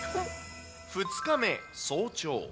２日目早朝。